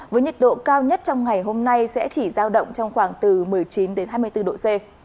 với nhiệt độ cao nhất trong ngày hôm nay sẽ chỉ giao động trong khoảng từ một mươi chín đến hai mươi bốn độ c